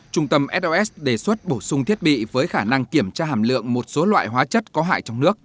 trung tâm sos đề xuất bổ sung thiết bị với khả năng kiểm tra hàm lượng một số loại hóa chất có hại trong nước